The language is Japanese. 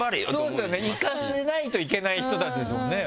そうですよねいかせないといけない人たちですもんね。